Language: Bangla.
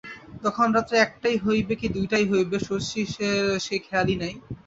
তখন রাত্রি একটাই হইবে কি দুটাই হইবে শচীশের সে খেয়ালই নাই।